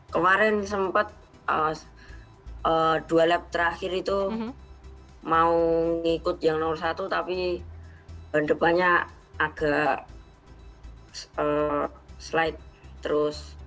kemarin sempat dua lap terakhir itu mau ngikut yang nomor satu tapi depannya agak slide terus